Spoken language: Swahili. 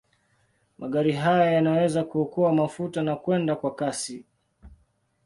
Magari haya yanaweza kuokoa mafuta na kwenda kwa kasi.